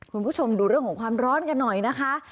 คุณผู้ชมดูเรื่องของความร้อนกันหน่อยนะคะ